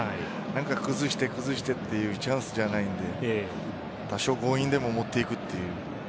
何か崩して崩してというチャンスじゃないので多少強引でも持っていくという。